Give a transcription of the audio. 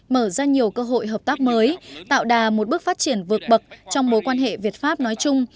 mở ra nhiều cơ hội hợp tác mới tạo đà một bước phát triển vượt bậc trong mối quan hệ việt pháp nói chung